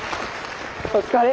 お疲れ。